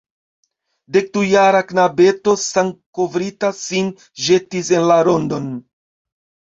Dekdujara knabeto sangkovrita sin ĵetis en la rondon.